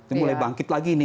ini mulai bangkit lagi ini